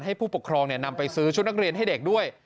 ผู้ปกครองนำไปซื้อชุดนักเรียนให้เด็กด้วย